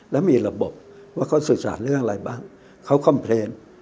แล้วมีระบบว่าเขาสื่อสารเรื่องอะไรบ้างเขาคอมเพลน